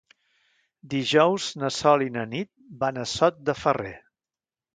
Dijous na Sol i na Nit van a Sot de Ferrer.